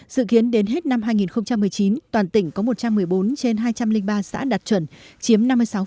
dự kiến đến hết năm hai nghìn một mươi chín toàn tỉnh có một trăm một mươi bốn trên hai trăm linh ba xã đạt chuẩn chiếm năm mươi sáu